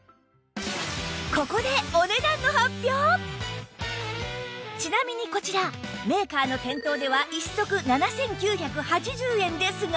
ここでちなみにこちらメーカーの店頭では１足７９８０円ですが